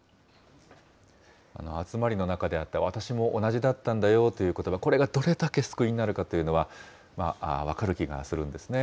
集まりの中であった、私も同じだったんだよということば、これがどれだけ救いになるかというのは分かる気がするんですね。